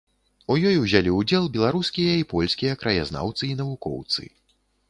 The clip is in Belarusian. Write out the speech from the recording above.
У ёй узялі ўдзел беларускія і польскія краязнаўцы і навукоўцы.